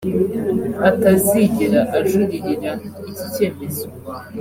atazigera ajuririra iki cyemezo